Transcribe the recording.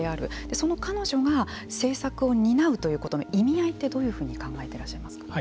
その彼女が政策を担うということの意味合いってどういうふうに考えていらっしゃいますか。